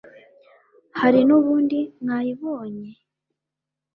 Hari n'ubundi mwayibonye?